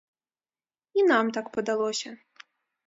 І нам так падалося.